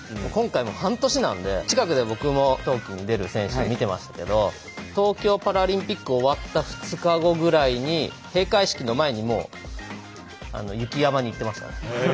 今回半年なんで近くで僕も冬季に出る選手見てましたけど東京パラリンピック終わった２日後ぐらいに閉会式の前にもう雪山に行ってましたね。